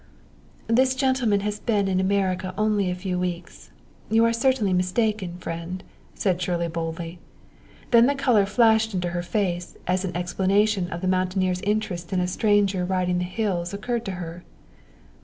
"This gentleman has been in America only a few weeks; you are certainly mistaken, friend," said Shirley boldly. Then the color flashed into her face, as an explanation of the mountaineer's interest in a stranger riding the hills occurred to her.